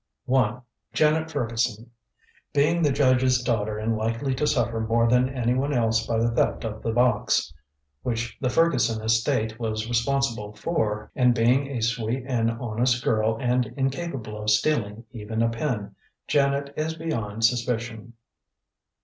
"1. Janet Ferguson. Being the judge's daughter and likely to suffer more than anyone else by the theft of the box, which the Ferguson estate was responsible for, and being a sweet and honest girl and incapable of stealing even a pin, Janet is beyond suspicion.